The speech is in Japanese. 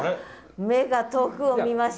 目が遠くを見ました。